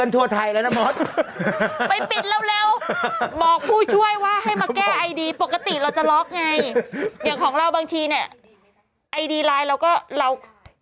แต่เมื่อกี้คนแคปกันให้ซึดเลยนะคะ